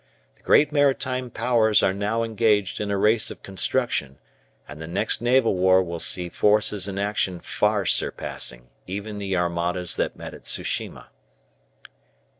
The great maritime powers are now engaged in a race of construction, and the next naval war will see forces in action far surpassing even the armadas that met at Tsu shima.